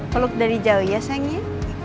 peluk dari jauh ya sayangnya